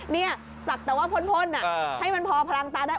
นี่ศักดิ์แต่ว่าพ่นให้มันพอพลังตาได้